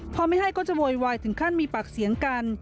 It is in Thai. พอไม่ให้ก็จะโวยวายถึงขั้นมีปากเสียงกัน